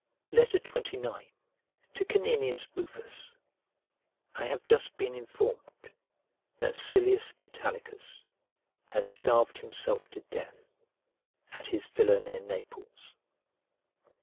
XXIX To CANINIUS RUFUS I HAVE just been informed that Silius Italicus has starved himself to death, at his villa near Naples.